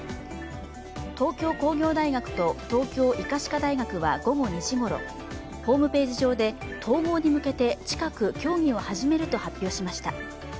東京工業大学と東京医科歯科大学は午後２時ごろ、ホームページ上で統合に向けて近く協議を始めると発表しました。